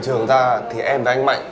vì trường ra thì em với anh mạnh